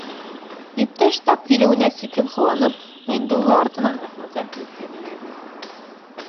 Иптәш тап килеүенә сикһеҙ ҡыуанып, Ғиндулла артынан Аҡназар һүҙһеҙ эйәрҙе.